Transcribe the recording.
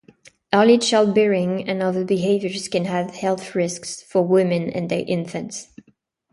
Early childbearing and other behaviours can have health risks for women and their infants.